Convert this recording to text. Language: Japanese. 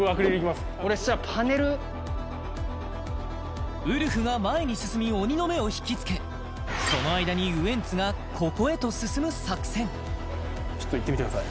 俺そしたらパネルウルフが前に進み鬼の目を引きつけその間にウエンツがここへと進む作戦ちょっといってみてください